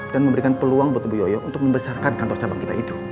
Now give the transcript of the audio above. dan memberikan peluang untuk bu yoyo untuk membesarkan kantor cabang kita itu